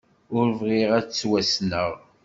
Ur bɣiɣ ad ttwassneɣ.